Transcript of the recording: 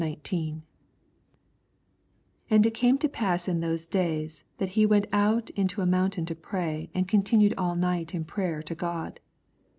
12 And it came to i>a8s in those days, that he went out into a moun tain to pray, and continued all night m prayer to God.